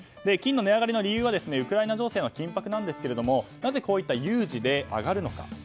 金の値上がりの理由はウクライナ情勢の緊迫なんですがなぜこういった有事で上がるのか。